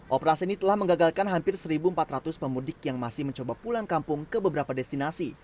operasi ini telah menggagalkan hampir satu empat ratus pemudik yang masih mencoba pulang kampung ke beberapa destinasi